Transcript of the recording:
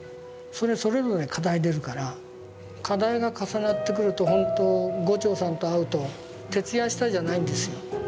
それそれぞれ課題出るから課題が重なってくるとほんと牛腸さんと会うと「徹夜した？」じゃないんですよ。